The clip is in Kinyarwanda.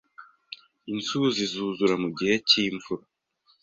Inzuzi zuzura mu gihe cyimvura